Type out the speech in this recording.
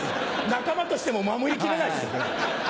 仲間としても守り切れないですよ。